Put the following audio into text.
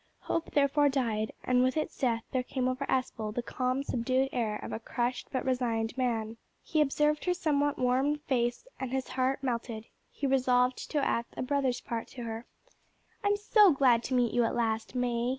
Hope therefore died, and with its death there came over Aspel the calm subdued air of a crushed but resigned man. He observed her somewhat worn face and his heart melted. He resolved to act a brother's part to her. "I'm so glad to meet you at last, May!"